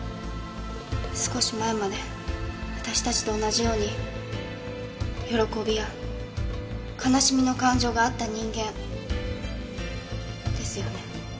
少し前まで私達と同じように喜びや悲しみの感情があった人間。ですよね？